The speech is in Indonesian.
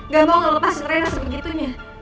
gak mau ngelepasin reina sebegitunya